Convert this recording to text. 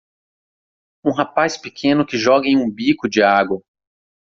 Um rapaz pequeno que joga em um bico de água.